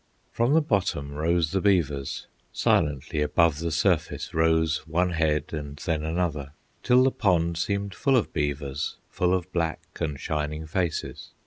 From the bottom rose the beavers, Silently above the surface Rose one head and then another, Till the pond seemed full of beavers, Full of black and shining faces.